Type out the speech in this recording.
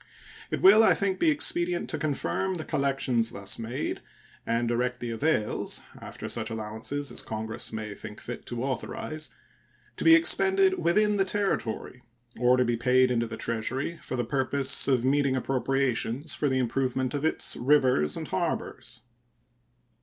It will, I think, be expedient to confirm the collections thus made, and direct the avails (after such allowances as Congress may think fit to authorize) to be expended within the Territory or to be paid into the Treasury for the purpose of meeting appropriations for the improvement of its rivers and harbors.